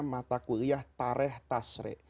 matakuliah tareh tasri